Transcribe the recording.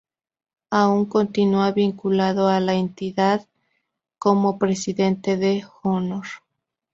Aún continua vinculado a la entidad como "Presidente de Honor".